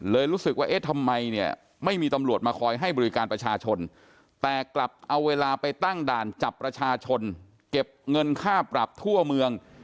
รู้สึกว่าเอ๊ะทำไมเนี่ยไม่มีตำรวจมาคอยให้บริการประชาชนแต่กลับเอาเวลาไปตั้งด่านจับประชาชนเก็บเงินค่าปรับทั่วเมือง